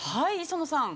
磯野さん